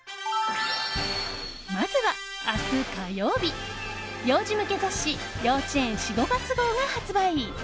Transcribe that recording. まずは明日、火曜日幼児向け雑誌「幼稚園」４・５月号が発売。